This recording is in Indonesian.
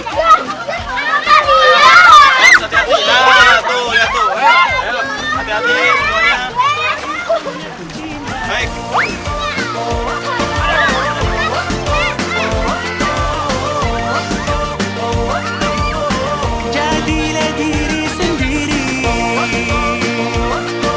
kalian sekarang boleh membersihkan diri di sungai ya